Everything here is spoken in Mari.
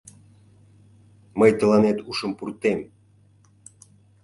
Мый тыланет ушым пуртем!..